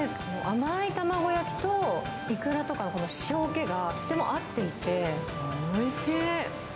甘ーい卵焼きといくらとかのこの塩気が、とても合っていて、おいしい。